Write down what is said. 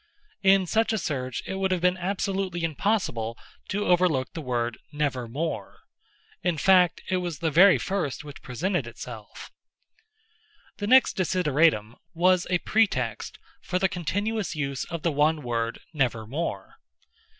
In such a search it would have been absolutely impossible to overlook the word "Nevermore." In fact, it was the very first which presented itself. The next desideratum was a pretext for the continuous use of the one word "nevermore."